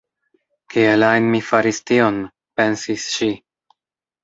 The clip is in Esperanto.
“Kiel ajn mi faris tion?” pensis ŝi.